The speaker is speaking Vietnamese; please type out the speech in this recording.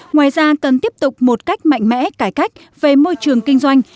ngoài ra cần tiếp tục một cách mạnh mẽ cải cách về môi trường kinh doanh